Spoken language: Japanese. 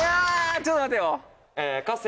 ちょっと待てよ。